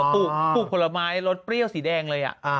ปลูกผลไม้รสเปรี้ยวสีแดงเลย